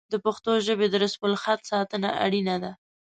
د پښتو ژبې د رسم الخط ساتنه اړینه ده.